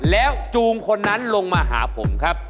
แล้วจูงคนนั้นลงมาหาผมครับ